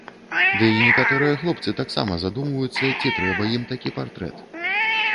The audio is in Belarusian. Ды і некаторыя хлопцы таксама задумваюцца ці трэба ім такі партрэт.